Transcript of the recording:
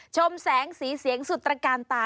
ชมแสงสีเสียงสุดตระการตา